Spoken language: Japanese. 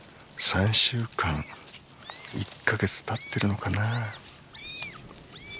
３週間１か月たってるのかなあ。